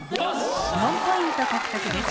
４ポイント獲得です。